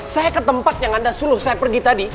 saya ke tempat yang anda suruh saya pergi tadi